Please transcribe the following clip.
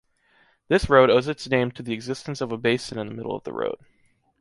This road owes its name to the existence of a basin in the middle of the road.